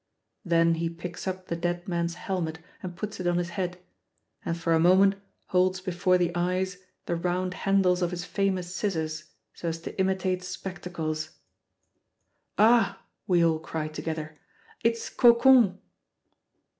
Then he picks up the dead man's helmet and puts it on his head, and for a moment holds before the eyes the round handles of his famous scissors so as to imitate spectacles. "Ah!" we all cried together, "it's Cocon!"